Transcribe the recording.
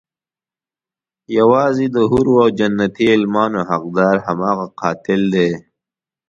يوازې د حورو او جنتي غلمانو حقدار هماغه قاتل دی.